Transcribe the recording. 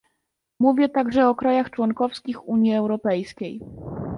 Mówię także o krajach członkowskich Unii Europejskiej